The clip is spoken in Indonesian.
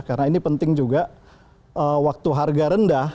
karena ini penting juga waktu harga rendah